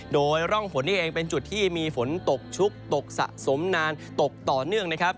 โดยร่องฝนนี่เองเป็นจุดที่มีฝนตกชุกตกสะสมนานตกต่อเนื่องนะครับ